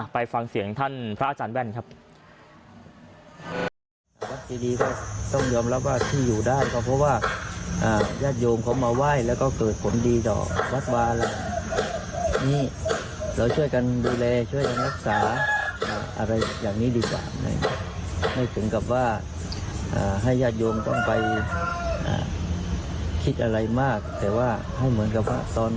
ไปฟังเสียงท่านพระอาจารย์แว่นครับ